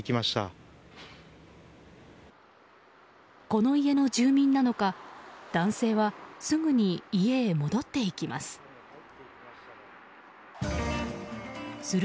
この家の住民なのか男性はすぐに家へ戻っていきます。